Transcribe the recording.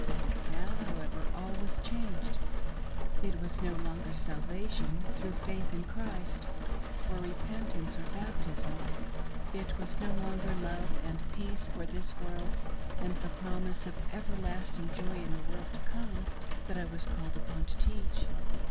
Now, however, all this was changed. It was no longer sal vation through faith in Christ, or repentance, or baptism ; it was no longer love and peace for this world and the promise of everlasting joy in rthe world to come, that I was called upon to teach.